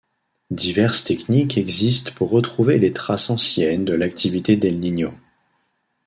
Diverses techniques existent pour retrouver les traces anciennes de l’activité d’El Niño.